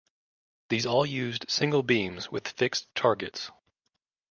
These all used single beams with fixed targets.